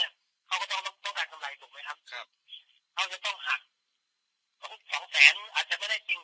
เขาก็ต้องต้องการกำไรถูกไหมครับครับเขาจะต้องหักสองสองแสนอาจจะไม่ได้จริง